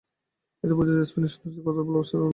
এতেই বোঝা যায়, স্প্যানিশ সুন্দরীকে কতটা ভালোবাসেন রোনালদো।